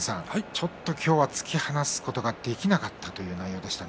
ちょっと今日は突き放すことができなかったという内容でしたね。